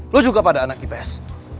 lo juga pada anak ips